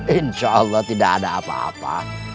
insya allah tidak ada apa apa